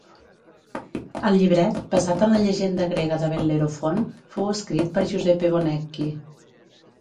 El llibret, basat en la llegenda grega de Bel·lerofont, fou escrit per Giuseppe Bonecchi.